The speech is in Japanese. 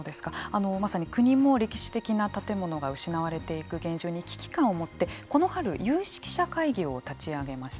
まさに国も歴史的な建物が失われていく現状に危機感を持ってこの春、有識者会議を立ち上げました。